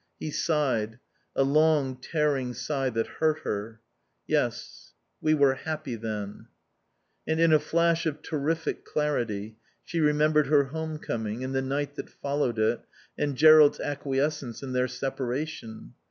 He sighed, a long, tearing sigh that hurt her. "Yes. We were happy then." And in a flash of terrific clarity she remembered her home coming and the night that followed it and Jerrold's acquiescence in their separation.